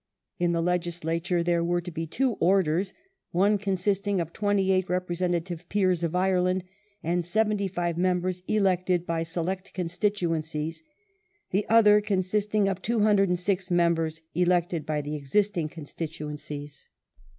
i886 In the Legislature there were to be two " Orders ": one consisting of the twenty eight Representative Peel's of Ireland and seventy five members elected by select constituencies ; the other consisting of 206 members elected by the existing constituencies.